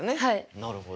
なるほど。